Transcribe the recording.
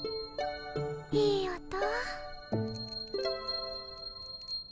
いい音。